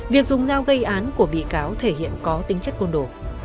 việc dùng dao gây án của bị cáo thể hiện có tính chất côn đồ